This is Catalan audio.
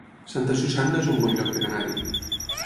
Santa Susanna es un bon lloc per anar-hi